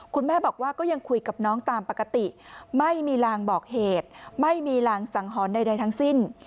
คุณแม่บอกว่าก็ยังคุยกับน้องตามปกติไม่มีลางบอกเหตุไม่มีรางสังหรณ์ใดทั้งสิ้น